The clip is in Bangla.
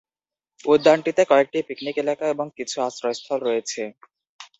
উদ্যানটিতে কয়েকটি পিকনিক এলাকা এবং কিছু আশ্রয়স্থল রয়েছে।